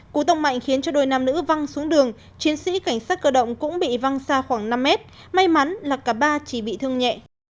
cú tông mạnh khiến cho đôi nam nữ văng xuống đường chiến sĩ cảnh sát cơ động cũng bị văng xa khoảng năm mét may mắn là cả ba chỉ bị thương nhẹ